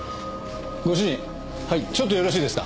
ご主人ちょっとよろしいですか？